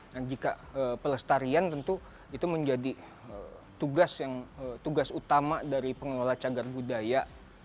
nah jika pelestarian tentu itu menjadi tugas utama dari pengelola cagar budaya